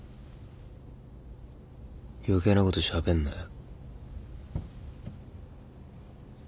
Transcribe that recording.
余計なことしゃべんなよ。